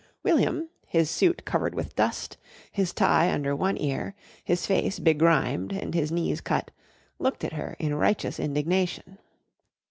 William, his suit covered with dust, his tie under one ear, his face begrimed and his knees cut, looked at her in righteous indignation.